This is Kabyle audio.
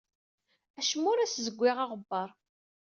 Acemma ur as-zewwiɣ aɣebbar.